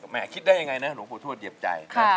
แม่คิดได้ยังไงนะ